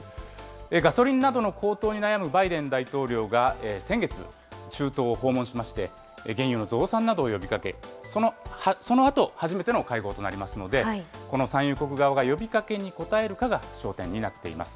ガソリンなどの高騰に悩むバイデン大統領が、先月、中東を訪問しまして、原油の増産などを呼びかけ、そのあと初めての会合となりますので、この産油国側が呼びかけに応えるかが焦点になっています。